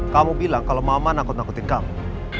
kamu bilang kalau mama nakut nakutin kamu